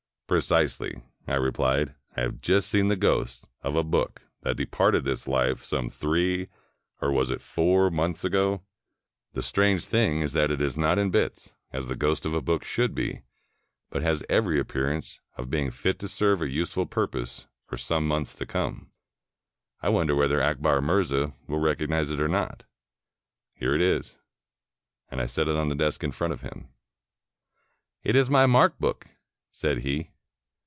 "Precisely," I replied; "I have just seen the ghost of a book that departed this life some three — or was it four? — months ago. The strange thing is that it is not in bits, as the ghost of a book should be, but has every 403 PERSIA appearance of being fit to serve a useful purpose for some months to come. I wonder whether Akbar Mirza will recognize it or not. Here it is"; and I set it on the desk in front of him. "It is my mark book," said he.